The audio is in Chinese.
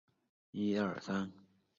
他擅长蝶泳项目。